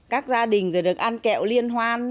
các gia đình rồi được ăn kẹo liên hoan